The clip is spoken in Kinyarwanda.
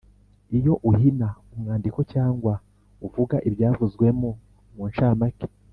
Iyo uhina umwandiko cyangwa uvuga ibyavuzwemo mu nshamake